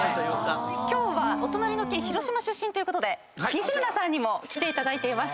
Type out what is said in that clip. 今日はお隣の県広島出身ということで西村さんにも来ていただいています。